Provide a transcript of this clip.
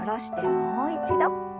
もう一度。